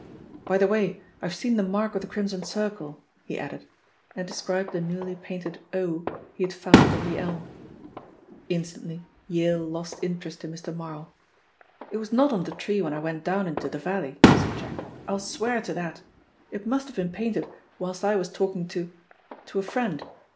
By the way, I have seen the mark of the Crimson Circle," he added, and described the newly painted "O" he had found on the elm. Instantly Yale lost interest in Mr. Marl. "It was not on the tree when I went down into the valley," said Jack. "I'll swear to that. It must have been painted whilst I was talking to to a friend.